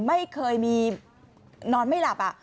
ไม่เคยมีนอนไม่หลับ